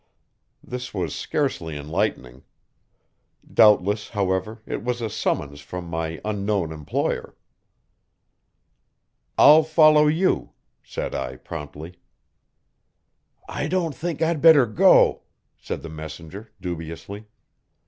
This was scarcely enlightening. Doubtless, however, it was a summons from my unknown employer. "I'll follow you," said I promptly. "I don't think I'd better go," said the messenger dubiously.